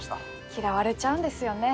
嫌われちゃうんですよね。